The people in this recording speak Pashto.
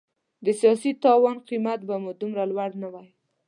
د سیاسي تاوان قیمت به مو دومره لوړ نه وای.